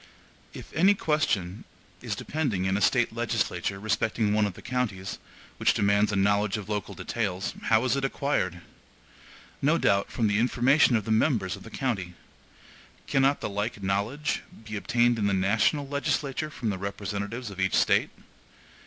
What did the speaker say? If any question is depending in a State legislature respecting one of the counties, which demands a knowledge of local details, how is it acquired? No doubt from the information of the members of the county. Cannot the like knowledge be obtained in the national legislature from the representatives of each State?